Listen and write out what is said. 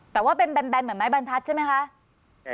แต่ว่าเป็นแบนเหมือนไม้บรรทัศน์ใช่ไหมคะ